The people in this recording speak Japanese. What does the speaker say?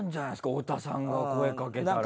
太田さんが声かけたら。